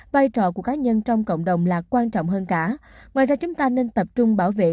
vai trò của cá nhân trong cộng đồng là quan trọng hơn cả ngoài ra chúng ta nên tập trung bảo vệ